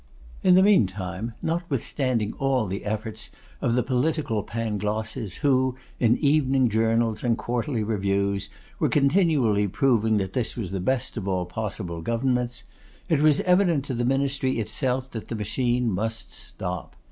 In the meantime, notwithstanding all the efforts of the political Panglosses who, in evening Journals and Quarterly Reviews were continually proving that this was the best of all possible governments, it was evident to the ministry itself that the machine must stop.